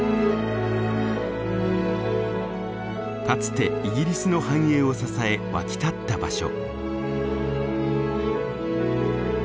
かつてイギリスの繁栄を支え沸き立った場所。